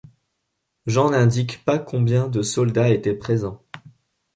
Jean n'indique pas combien de soldats étaient présents.